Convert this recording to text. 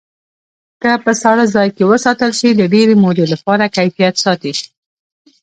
که په ساړه ځای کې وساتل شي د ډېرې مودې لپاره کیفیت ساتي.